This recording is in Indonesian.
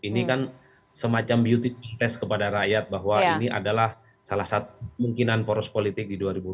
ini kan semacam beauty test kepada rakyat bahwa ini adalah salah satu mungkinan poros politik di dua ribu dua puluh